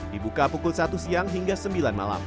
dibuka pukul satu siang hingga sembilan malam